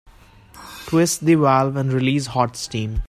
Twist the valve and release hot steam.